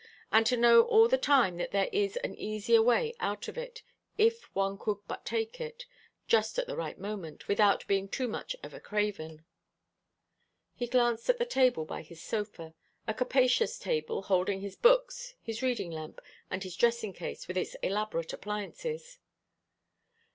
And to know all the time that there is an easier way out of it, if one could but take it, just at the right moment, without being too much of a craven." He glanced at the table by his sofa, a capacious table, holding his books, his reading lamp, and his dressing case with its elaborate appliances.